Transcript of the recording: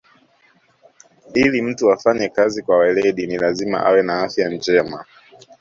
Ili mtu afanye kazi kwa weledi ni lazima awe na afya njema